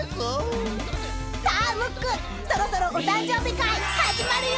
［さあムックそろそろお誕生日会始まるよ］